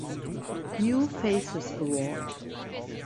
New Faces Award